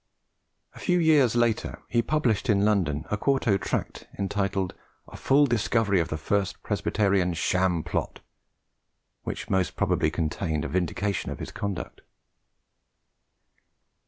A few years later he published in London a 4to. tract entitled 'A Full Discovery of the First Presbyterian Sham Plot,' which most probably contained a vindication of his conduct.